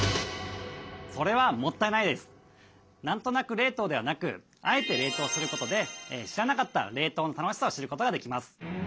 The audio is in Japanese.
冷凍ではなく「あえて」冷凍することで知らなかった冷凍の楽しさを知ることができます。